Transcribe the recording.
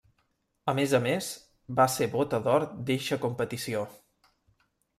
A més a més, va ser Bota d'Or d'eixa competició.